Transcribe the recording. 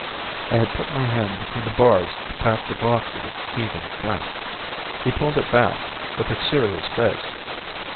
I had put my hand between the bars to pat the glossy, heaving flank. He pulled it back, with a serious face.